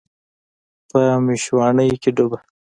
په میشواڼۍ کې ډوبه